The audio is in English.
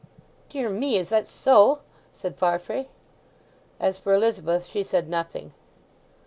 "Dear me—is that so!" said Farfrae. As for Elizabeth, she said nothing.